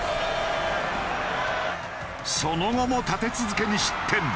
その後も立て続けに失点。